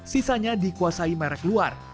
sisanya dikuasai merek luar